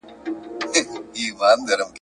ګیدړ هم له خوشالیه کړې نڅاوي !.